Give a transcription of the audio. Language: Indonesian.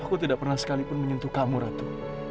aku tidak pernah sekalipun menyentuh kamu ratu